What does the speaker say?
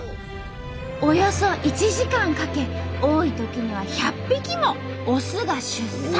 およそ１時間かけ多いときには１００匹もオスが出産。